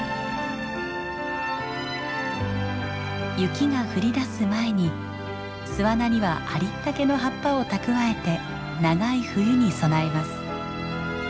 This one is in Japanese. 雪が降りだす前に巣穴にはありったけの葉っぱを蓄えて長い冬に備えます。